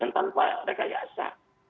dan tanpa rekayasa